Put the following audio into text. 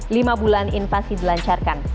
lima bulan invasi dilancarkan